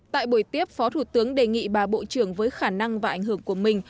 tại buổi tiếp phó thủ tướng đề nghị bà bộ trưởng với khả năng và ảnh hưởng của mình